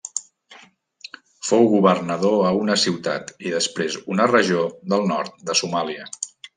Fou governador a una ciutat i després una regió del nord de Somàlia.